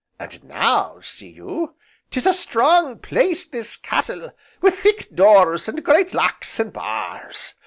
And now, see you, 'tis a strong place, this Castle, wi' thick doors, and great locks, and bars.